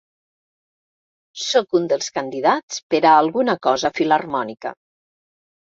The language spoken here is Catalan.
Sóc un dels candidats per a alguna cosa filharmònica.